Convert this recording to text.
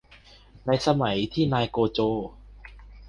ในสมัยที่นายโจโก